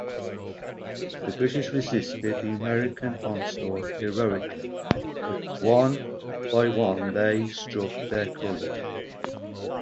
The British resisted the American onslaught heroically, but-one by one-they struck their colors.